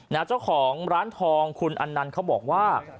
เจ้าของร้านทองคุณอันนันต์เขาบอกว่า